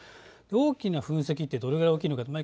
大きな噴石ってどれぐらい大きいのか。